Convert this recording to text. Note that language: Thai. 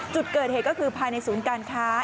จุดเกิดเหตุก็คือภายในศูนย์การค้า